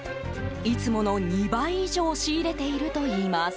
いつもの２倍以上仕入れているといいます。